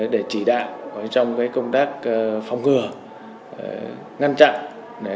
để chỉ đạo trong công tác phòng ngừa ngăn chặn